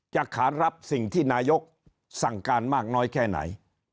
ขานรับสิ่งที่นายกสั่งการมากน้อยแค่ไหน